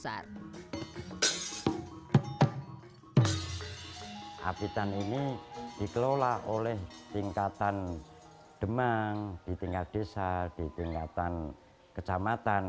apitan ini dikelola oleh tingkatan demang di tingkat desa di tingkatan kecamatan